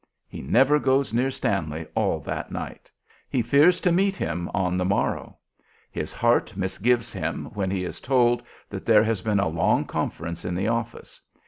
He never goes near Stanley all that night. He fears to meet him, or the morrow. His heart misgives him when he is told that there has been a long conference in the office.